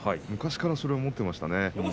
昔からそれは持っていました。